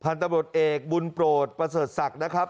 ตำรวจเอกบุญโปรดประเสริฐศักดิ์นะครับ